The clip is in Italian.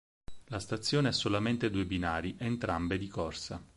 La stazione ha solamente due binari entrambe di corsa.